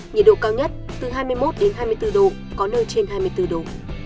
nhiệt độ cao nhất từ hai mươi một đến hai mươi bốn độ có nơi trên hai mươi bốn độ